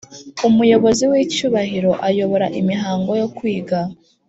Umuyobozi w Icyubahiro ayobora imihango yo kwiga